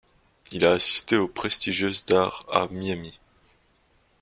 Il a assisté au prestigieuse d'art à Miami.